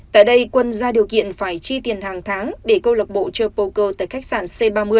tại đây quân ra điều kiện phải chi tiền hàng tháng để câu lạc bộ chơi poker tại khách sạn c ba mươi